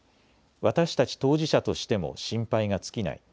私たち当事者としても心配が尽きない。